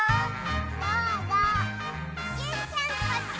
どうぞジュンちゃんこっち！